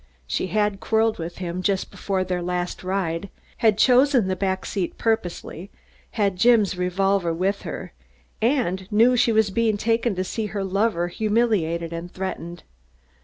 She had quarreled with him just before their last ride, had chosen the back seat purposely, had Jim's revolver with her, and knew she was being taken to see her lover humiliated and threatened.